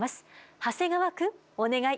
長谷川くんお願い。